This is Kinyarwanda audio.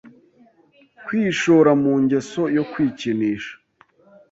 kwishora mu ngeso yo kwikinisha?